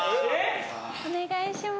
お願いします。